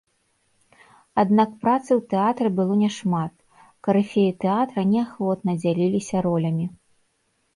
Аднак працы ў тэатры было няшмат, карыфеі тэатра неахвотна дзяліліся ролямі.